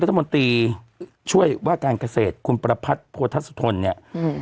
รัฐมนตรีช่วยว่าการเกษตรคุณประพัทธ์โพธสุธนเนี่ยอืม